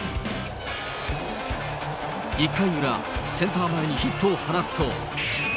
１回裏、センター前にヒットを放つと。